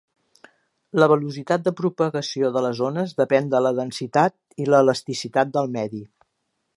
La velocitat de propagació de les ones depèn de la densitat i l'elasticitat del medi.